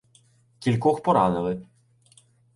Кількох поранили.